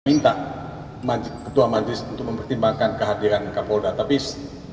minta majid ketua majlis untuk mempertimbangkan kehadiran kapol datapis